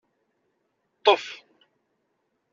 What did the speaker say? Ṭṭef!